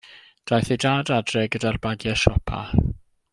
Daeth ei dad adref gyda'r bagiau siopa.